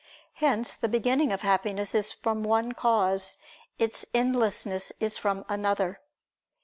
Hence the beginning of happiness is from one cause, its endlessness is from another.